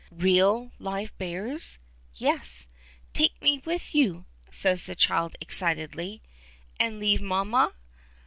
"Real live bears?" "Yes." "Take me with you"? says the child, excitedly. "And leave mamma?"